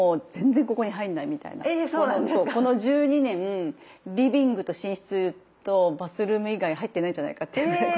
えそうなんですか⁉そうこの１２年リビングと寝室とバスルーム以外入ってないんじゃないかっていうぐらい。